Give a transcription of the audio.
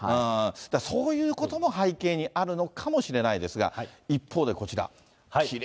そういうことも背景にあるのかもしれないですが、一方でこちら。